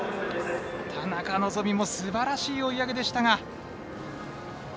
田中希実もすばらしい追い上げでしたが。